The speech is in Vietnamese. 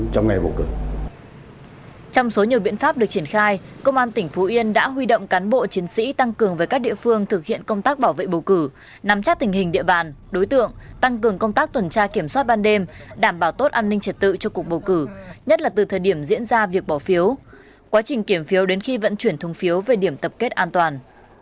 trong nhiều biện pháp được triển khai công an tỉnh phú yên đã huy động cán bộ chiến sĩ tăng cường với các địa phương thực hiện công tác bảo vệ bầu cử nắm chắc tình hình địa bàn đối tượng tăng cường công tác tuần tra kiểm soát ban đêm đảm bảo tốt an ninh trật tự cho cuộc bầu cử nhất là từ thời điểm diễn ra việc bỏ phiếu quá trình kiểm phiếu đến khi vận chuyển thung phiếu về điểm tập kết an toàn